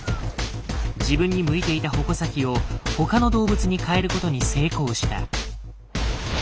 自分に向いていた矛先を他の動物に変えることに成功した。